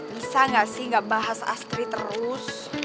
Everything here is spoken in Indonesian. bisa gak sih gak bahas astri terus